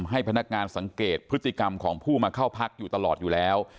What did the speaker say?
ให้พนักงานสังเกตพฤติกรรมของผู้มาเข้าพักอยู่ตลอดอยู่แล้ว